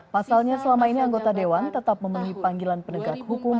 pasalnya selama ini anggota dewan tetap memenuhi panggilan penegak hukum